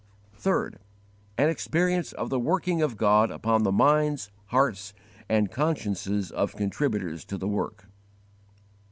3. An experience of the working of God upon the minds, hearts, and consciences of _contributors to the work.